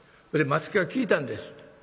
それで松木が聞いたんです。